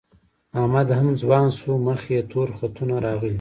احمد هم ځوان شو، مخ یې تور خطونه راغلي